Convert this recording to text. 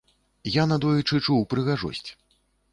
Я надоечы чуў прыгажосць.